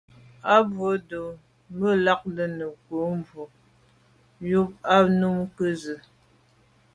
A bwô ndù be lagte nukebwô yub à ba nu ke ze.